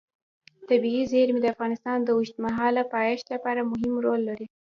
طبیعي زیرمې د افغانستان د اوږدمهاله پایښت لپاره مهم رول لري.